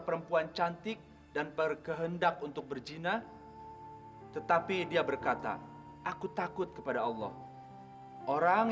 perempuan cantik dan berkehendak untuk berjina tetapi dia berkata aku takut kepada allah orang